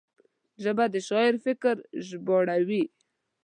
ژبه د شاعر فکر ژباړوي